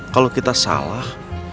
kalau kita salah